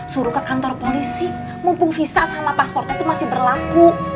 suruh ke kantor polisi mumpung visa sama pasportnya itu masih berlaku